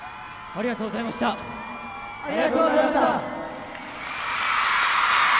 ありがとうございましたっ